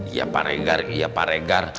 ya pak regar iya pak regar